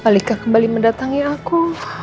malika kembali mendatangi aku